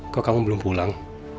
kok kamu belum pulang